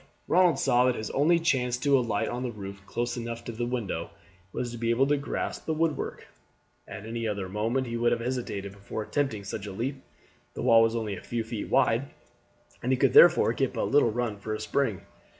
Ronald saw that his only chance was to alight on the roof close enough to this window to be able to grasp the woodwork. At any other moment he would have hesitated before attempting such a leap. The wall was only a few feet wide, and he could therefore get but little run for a spring.